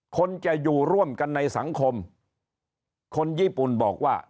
คนจะอยู่ร่วมกันในสังคมคนญี่ปุ่นบอกว่า